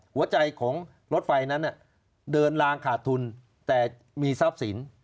หัวใจของรถไฟนั้นเดินลางขาดทุนแต่มีทรัพย์สิน